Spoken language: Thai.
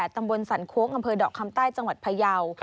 ตำบลสันโค้งอำเภอดอกคำใต้จังหวัดพยาว